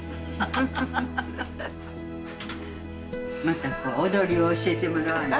またこう踊りを教えてもらわな。